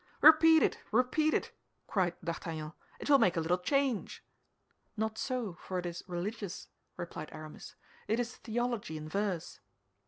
"Repeat it! Repeat it!" cried D'Artagnan; "it will make a little change." "Not so, for it is religious," replied Aramis; "it is theology in verse."